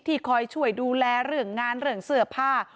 คอยช่วยดูแลเรื่องงานเรื่องเสื้อผ้า